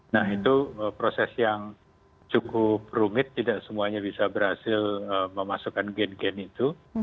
nah itu proses yang cukup rumit tidak semuanya bisa berhasil memasukkan gen gen itu